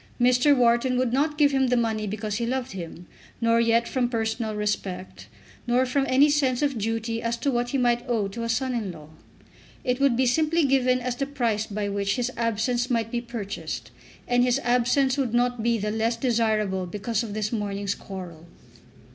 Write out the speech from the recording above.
Mr. Wharton would not give him the money because he loved him, nor yet from personal respect, nor from any sense of duty as to what he might owe to a son in law. It would be simply given as the price by which his absence might be purchased, and his absence would not be the less desirable because of this morning's quarrel.